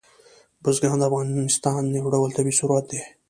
بزګان د افغانستان یو ډول طبعي ثروت دی.